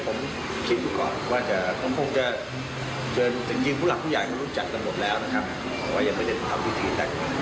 ว่ายังไม่ได้ทำที่สุดแต่แบบนี้